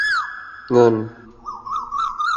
เงิน